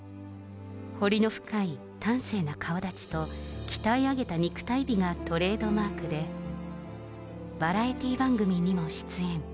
彫りの深い端正な顔立ちと、鍛え上げた肉体美がトレードマークで、バラエティー番組にも出演。